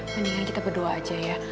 mendingan kita berdoa aja ya